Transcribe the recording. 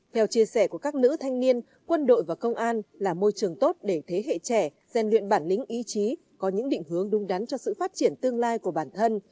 theo chia sẻ của các nữ thanh niên quân đội và công an là môi trường tốt để thế hệ trẻ rèn luyện bản lĩnh ý chí có những định hướng đúng đắn cho sự phát triển tương lai của bản thân